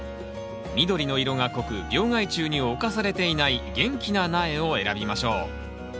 緑の色が濃く病害虫に侵されていない元気な苗を選びましょう。